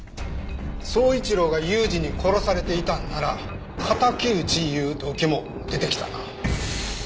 宗一郎が裕二に殺されていたんなら敵討ちいう動機も出てきたな。